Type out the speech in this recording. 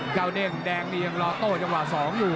ก้าวเด้งแดงมียังรอโต้จังหวะสองอยู่